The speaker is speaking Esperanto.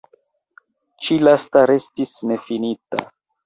Ĉi lasta restis nefinita.